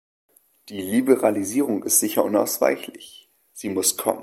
Die Liberalisierung ist sicher unausweichlich, sie muss kommen.